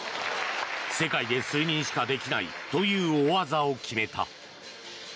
世界で数人しかできないという大技を決めた。